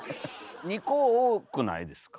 ２個多くないですか？